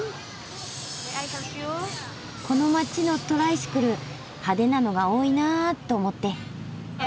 この街のトライシクル派手なのが多いなと思って。